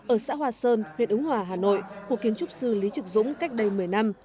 ở xã hòa sơn huyện ứng hòa hà nội của kiến trúc sư lý trực dũng cách đây một mươi năm